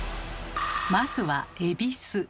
まずは恵比寿。